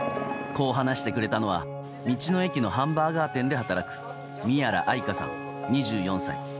こう話してくれたのは道の駅のハンバーガー店で働く宮良愛果さん、２４歳。